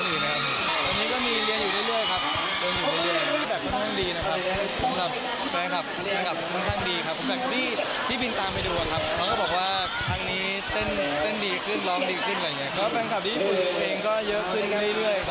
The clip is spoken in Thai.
พี่บิลตามไปดูนะครับ